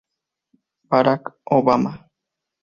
Barack Obama.